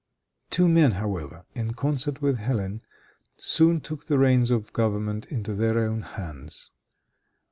Two men, however, in concert with Hélène, soon took the reins of government into their own hands.